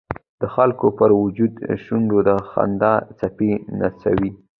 د خلکو پر وچو شونډو د خندا څپې نڅوي.